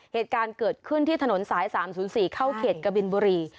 เหตุการณ์เกิดขึ้นที่ถนนสาย๓๐๔เข้าเขตกบินบุรี